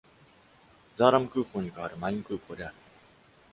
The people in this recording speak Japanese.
ザーラム空港に代わるマイン空港である。